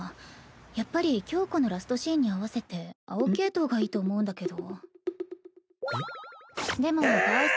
やっぱり響子のラストシーンに合わせて青系統がいいと思うんだけど。